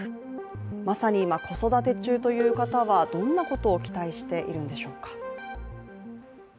まさに今、子育て中という方はどんなことを期待しているんでしょうか。